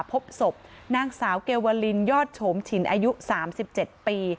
พบสบนางสาวเกลวลินยอดโฉมฉินอายุสามสิบเจ็ดปี